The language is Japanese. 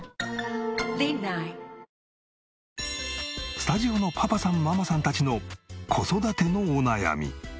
スタジオのパパさんママさんたちの子育てのお悩み。